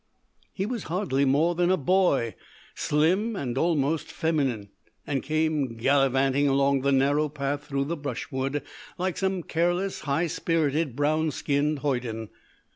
"He was hardly more than a boy slim and almost feminine and came gallivanting along the narrow path through the brushwood, like some careless, high spirited, brown skinned hoyden.